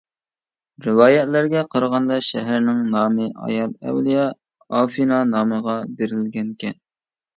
رىۋايەتلەرگە قارىغاندا شەھەرنىڭ نامى ئايال ئەۋلىيا ئافېنا نامىغا بېرىلگەنىكەن.